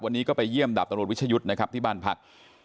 วันนี้ก็ไปเยี่ยมดาบตำรวจวิชยุทธ์นะครับที่บ้านพัก